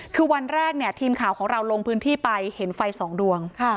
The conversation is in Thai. คือวันแรกเนี่ยทีมข่าวของเราลงพื้นที่ไปเห็นไฟสองดวง